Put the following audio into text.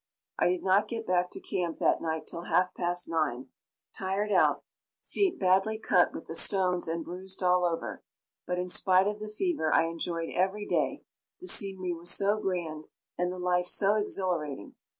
I did not get back to camp that night till half past 9 tired out, feet badly cut with the stones and bruised all over; but in spite of the fever I enjoyed every day the scenery was so grand and the life so exhilarating.